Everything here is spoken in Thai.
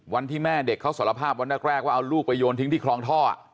วันที่แม่เด็กเขาสารภาพวันแรกว่าเอาลูกไปโยนทิ้งที่คลองท่อ